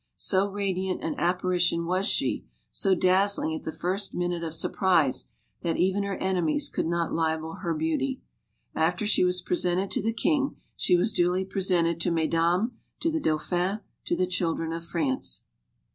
So radiant an apparition was she, so dazzling at the first minute of surprise, that even her enemies could not libel her beauty. After she was presented to the king, she was duly presented to Mesdames, to the Dauphin, to the Children of France.